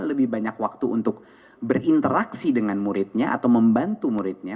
lebih banyak waktu untuk berinteraksi dengan muridnya atau membantu muridnya